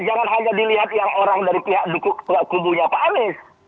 jangan hanya dilihat yang orang dari pihak kubunya pak anies